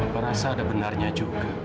papa nella benarnya juga